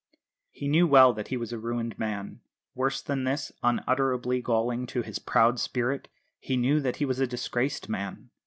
He knew well that he was a ruined man worse than this, unutterably galling to his proud spirit he knew that he was a disgraced man.